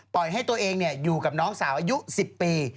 ให้ตัวเองอยู่กับน้องสาวอายุ๑๐ปี